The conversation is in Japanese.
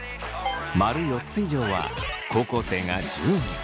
○４つ以上は高校生が１０人。